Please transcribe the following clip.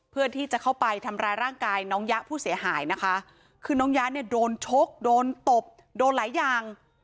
เพื่อที่จะเข้าไปทำร้ายร่างกายน้องยะผู้เสียหายนะคะคือน้องยะเนี่ยโดนชกโดนตบโดนหลายอย่าง